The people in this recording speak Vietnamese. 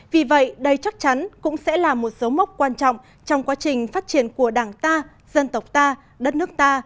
vì vậy đây chắc chắn cũng sẽ là một dấu mốc quan trọng trong quá trình phát triển của đảng ta dân tộc ta đất nước ta